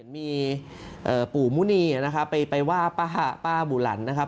มีปู่มุณีไปว่าป้าบุหลันนะครับ